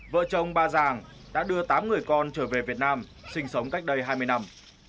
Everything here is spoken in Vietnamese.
vợ chồng ba giàng đã đưa tám người con trở về việt nam sinh sống cách đây hai mươi năm